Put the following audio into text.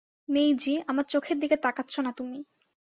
মেইজি, আমার চোখের দিকে তাকাচ্ছো না তুমি।